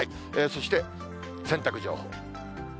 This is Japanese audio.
そして、洗濯情報。